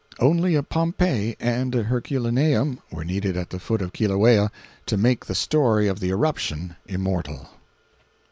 Only a Pompeii and a Herculaneum were needed at the foot of Kilauea to make the story of the irruption immortal.